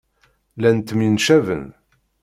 Llan ttemyenbacen.